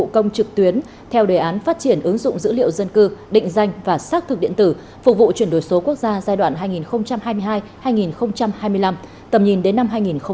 công trực tuyến theo đề án phát triển ứng dụng dữ liệu dân cư định danh và xác thực điện tử phục vụ chuyển đổi số quốc gia giai đoạn hai nghìn hai mươi hai hai nghìn hai mươi năm tầm nhìn đến năm hai nghìn ba mươi